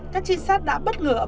các chiến sát đã bất ngờ